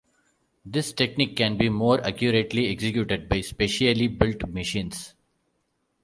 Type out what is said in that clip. This technique can be more accurately executed by specially built machines.